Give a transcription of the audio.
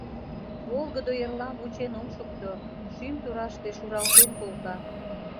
Волгыдо эрлам вучен ом шукто — Шӱм тураште шуралтен колта.